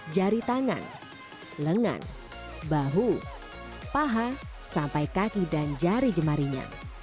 jari tangan lengan bahu paha sampai kaki dan jari jemarinya